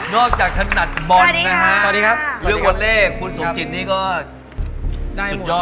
นอกจากถนัดบ่นนะฮะ